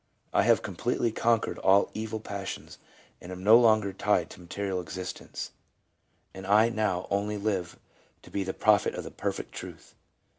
I have completely conquered all evil passions, and am no longer tied to material existence, and I, now, only live to be the prophet of perfect truth."